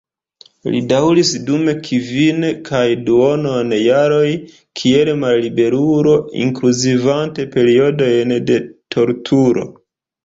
Li daŭris dum kvin kaj duonon jaroj kiel malliberulo, inkluzivante periodojn de torturo.